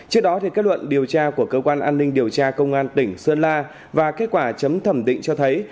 trước đó kết luận điều tra của cơ quan an ninh điều tra công an tỉnh sơn la và kết quả chấm thẩm định cho thấy